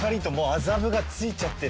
麻布がついちゃってる。